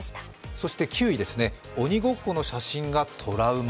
そして９位、鬼ごっこの写真がトラウマ。